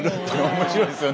面白いですよね。